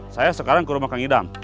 saya sekarang ke rumah kang idam